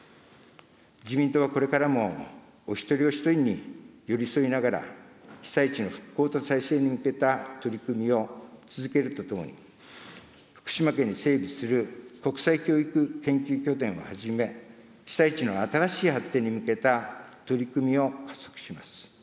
自民党はこれからもお一人お一人に寄り添いながら、被災地の復興と再生に向けた取り組みを続けるとともに、福島県に整備する国際教育研究拠点をはじめ、被災地の新しい発展に向けた取り組みを加速します。